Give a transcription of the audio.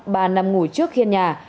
bà nằm ngủ trước khiên nhà